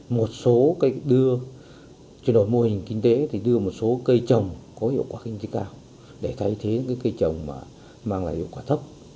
một số cây đưa chuyển đổi mô hình kinh tế thì đưa một số cây trồng có hiệu quả kinh tế cao để thay thế cái cây trồng mà mang lại hiệu quả thấp